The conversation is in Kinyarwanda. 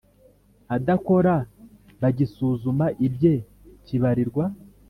adakora bagisuzuma ibye kibarirwa